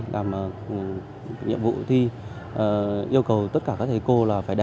làm nhiệm vụ thi yêu cầu tất cả các thầy cô là phải đẻ